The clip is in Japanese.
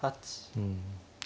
うん。